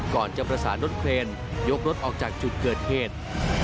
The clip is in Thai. ก่อนจะประสานรถเครนยกรถออกจากจุดเกิดเหตุ